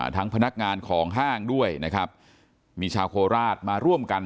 พนักงานของห้างด้วยนะครับมีชาวโคราชมาร่วมกัน